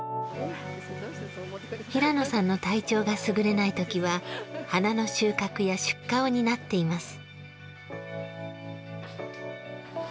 平野さんの体調がすぐれないときは花の収穫や出荷を担っています。